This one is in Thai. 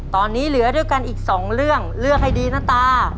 ตอนนี้เหลือด้วยกันอีกสองเรื่องเลือกให้ดีนะตา